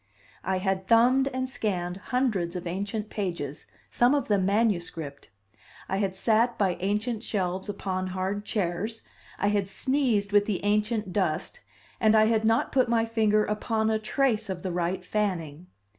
I had thumbed and scanned hundreds of ancient pages, some of them manuscript; I had sat by ancient shelves upon hard chairs, I had sneezed with the ancient dust, and I had not put my finger upon a trace of the right Fanning.